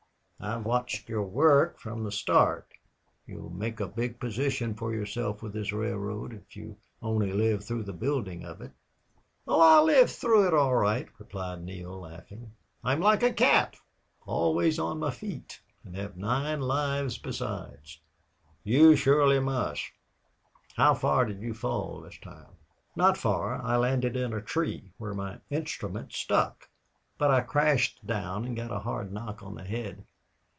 I've watched your work from the start. You'll make a big position for yourself with this railroad, if you only live through the building of it." "Oh, I'll live through it, all right," replied Neale, laughing. "I'm like a cat always on my feet and have nine lives besides." "You surely must! How far did you fall this time?" "Not far. I landed in a tree, where my instrument stuck. But I crashed down, and got a hard knock on the head.